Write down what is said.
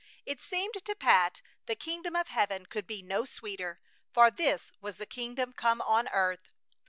It seemed to Pat the kingdom of heaven could be no sweeter, for this was the kingdom come on earth.